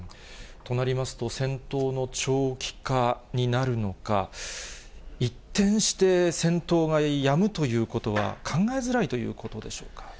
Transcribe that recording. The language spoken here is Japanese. となりますと、戦闘の長期化になるのか、一転して、戦闘がやむということは考えづらいということでしょうか。